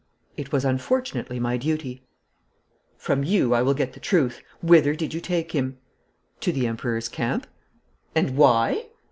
'It was unfortunately my duty.' 'From you I will get the truth. Whither did you take him?' 'To the Emperor's camp.' 'And why?'